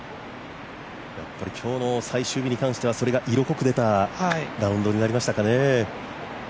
今日の最終日に関してはそれが色濃く出たラウンドになりましたね。